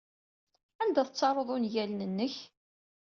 Anda ay tettaruḍ ungalen-nnek?